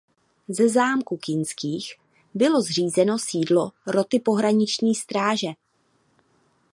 Ze zámku Kinských bylo zřízeno sídlo roty Pohraniční stráže.